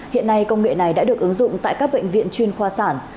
hiện nay công nghệ này đã được ứng dụng tại các bệnh viện chuyên khoa sản